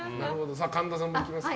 神田さんもいきますか。